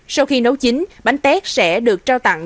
sau khi nấu chín bánh tét sẽ được trao tặng